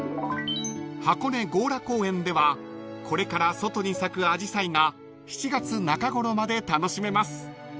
［箱根強羅公園ではこれから外に咲くあじさいが７月中頃まで楽しめます］